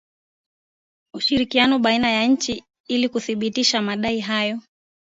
Ushirikiano baina ya nchi ili kuthibitisha madai hayo